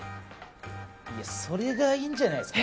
それがいいんじゃないですか。